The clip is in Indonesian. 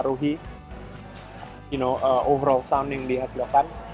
kayak kayu yang digunakan dan hardware yang digunakan itu mempengaruhi overall sound yang dihasilkan